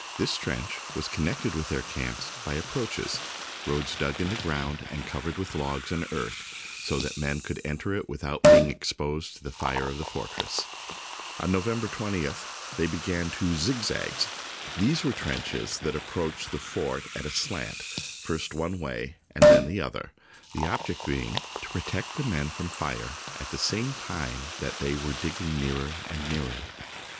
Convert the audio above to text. This trench was connected with their camps by " approaches," roads dug in the ground and covered with logs and earth, so that men could enter it without being ex posed to the fire of the fortress. On November 20th they began two " zigzags." These were trenches that approached the fort at a slant, first one way and then the other, the object being to protect the men from fire at the same time that they were digging nearer and nearer.